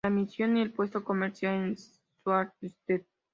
La misión y el puesto comercial en Sault Ste.